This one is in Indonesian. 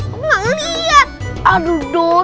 kamu gak ngeliat